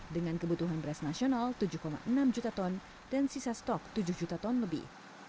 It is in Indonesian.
dengan kebutuhan beras nasional tujuh enam juta ton dan sisa stok tujuh juta ton lebih